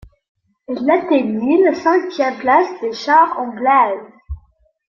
Elle atteignit la cinquième place des charts anglais.